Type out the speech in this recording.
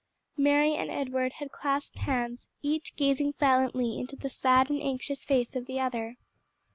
Mary and Edward had clasped hands, each gazing silently into the sad and anxious face of the other.